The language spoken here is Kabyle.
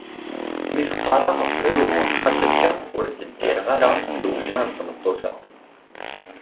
Mi t-qqareɣ ruɣ ɣas akka ur d-ddireɣ ara lewjeɛ n tmeṭṭut-a.